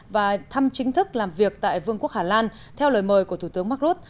và thăm chính thức làm việc tại vương quốc hà lan theo lời mời của thủ tướng mark rutte